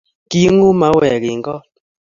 Kinguu mauek eng goot